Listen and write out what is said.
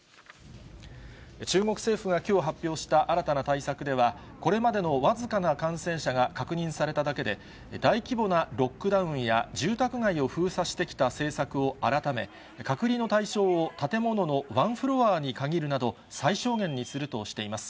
中国政府がきょう発表した新たな対策では、これまでの僅かな感染者が確認されただけで、大規模なロックダウンや住宅街を封鎖してきた政策を改め、隔離の対象を建物の１フロアに限るなど、最小限にするとしています。